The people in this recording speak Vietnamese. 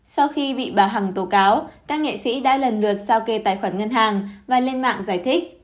sau khi bị bà hằng tổ cáo các nghệ sĩ đã lần lượt sao kê tài khoản ngân hàng và lên mạng giải thích